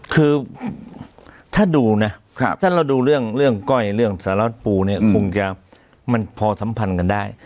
คือถ้าดูนะถ้าเราดูเรื่องก้อยเรื่องสารวัตรปูเนี่ยคงจะมันพอสัมพันธ์กันได้